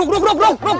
ruk ruk ruk ruk